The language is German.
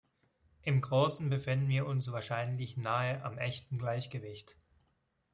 Im Großen befinden wir uns wahrscheinlich nahe am echten Gleichgewicht.